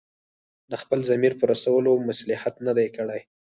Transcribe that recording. د خپل ضمیر په رسولو مصلحت نه دی کړی.